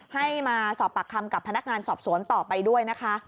ให้มาสอบปากคำกับพนักงานสอบสวนต่อไปด้วยนะคะ